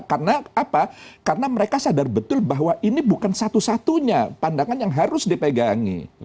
karena apa karena mereka sadar betul bahwa ini bukan satu satunya pandangan yang harus dipegangi